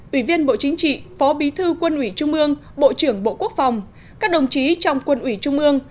ủy viên bộ chính trị phó bí thư quân ủy trung ương bộ trưởng bộ quốc phòng các đồng chí trong quân ủy trung ương